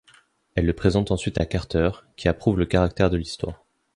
Elle le présente ensuite à Carter, qui approuve le caractère de l'histoire.